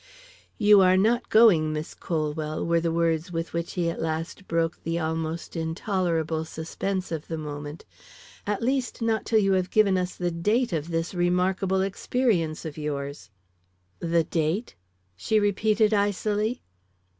"You are not going, Miss Colwell," were the words with which he at last broke the almost intolerable suspense of the moment; "at least, not till you have given us the date of this remarkable experience of yours." "The date?" she repeated, icily.